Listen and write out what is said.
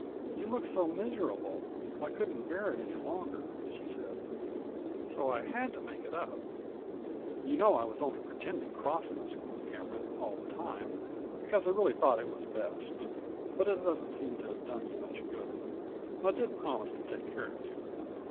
"You look so miserable, I couldn't bear it any longer," she said, "so I ?uid to make it up. You know Digitized by VjOOQIC 100 MAEJ0B7. I was only pretending crossness, Cameron, all the time, because I really thought it was best. But it doesn't seem to have done you much good, and I did promise to take care of you.